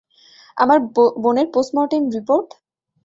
আমার বোনের postmortem report?